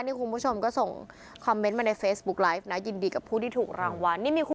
นี่คุณผู้ชมก็ส่งคอมเมนต์มาในเฟซบุ๊กไลฟ์นะยินดีกับผู้ที่ถูกรางวัล